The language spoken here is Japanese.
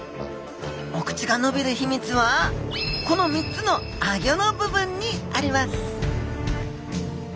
お口が伸びる秘密はこの３つのあギョの部分にあります